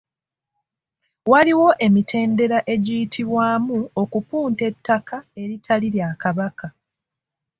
Waliwo emitendera egiyitibwamu okupunta ettaka eritali lya Kabaka.